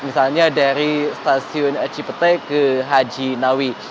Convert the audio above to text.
misalnya dari stasiun cipete ke haji nawi